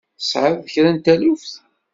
Tesɛiḍ kra n taluft?